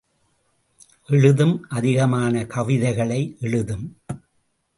எழுதும் அதிகமான கவிதைகளை எழுதும்!